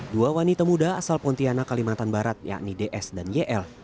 dua wanita muda asal pontianak kalimantan barat yakni ds dan yl